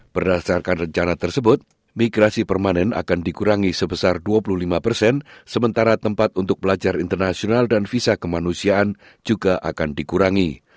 berdasarkan rencana tersebut migrasi permanen akan dikurangi sebesar dua puluh lima persen sementara tempat untuk belajar internasional dan visa kemanusiaan juga akan dikurangi